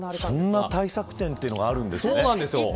そんな対策展というのがあるんですね。